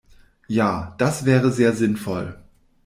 Ja, das wäre sehr sinnvoll.